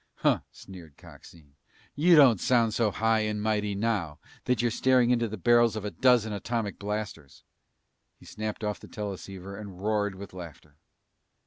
"Huh!" sneered Coxine. "You don't sound so high and mighty now that you're staring into the barrels of a dozen atomic blasters!" He snapped off the teleceiver and roared with laughter.